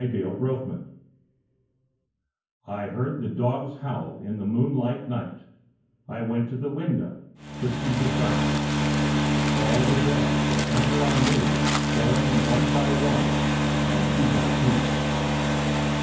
A DREAM I heard the dogs howl in the moonlight night; I went to the window to see the sight; All the Dead that ever I knew Going one by one and two by two.